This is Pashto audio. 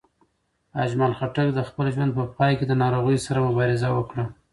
اجمل خټک د خپل ژوند په پای کې د ناروغۍ سره مبارزه وکړه.